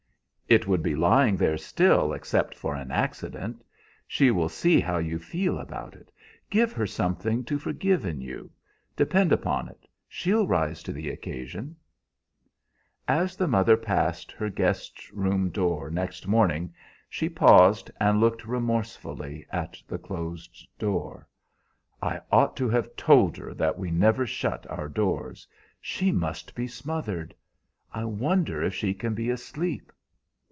"It would be lying there still except for an accident. She will see how you feel about it. Give her something to forgive in you. Depend upon it, she'll rise to the occasion." As the mother passed her guest's room next morning she paused and looked remorsefully at the closed door. "I ought to have told her that we never shut our doors. She must be smothered. I wonder if she can be asleep."